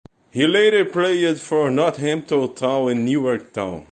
He later played for Northampton Town and Newark Town.